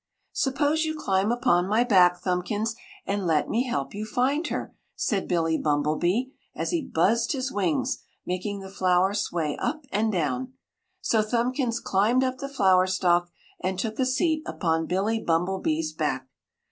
"Suppose you climb upon my back, Thumbkins, and let me help you find her!" said Billy Bumblebee, as he buzzed his wings, making the flower sway up and down. So Thumbkins climbed up the flower stalk and took a seat upon Billy Bumblebee's back.